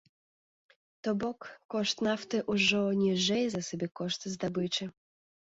То бок, кошт нафты ўжо ніжэй за сабекошт здабычы.